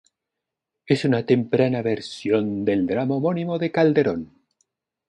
Es una temprana versión del drama homónimo de Calderón.